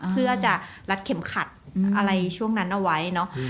เพื่อจะรัดเข็มขัดอะไรช่วงนั้นเอาไว้เนอะ